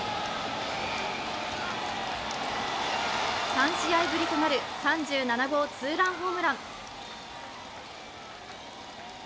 ３試合ぶりとなる３７号ツーランホームラン。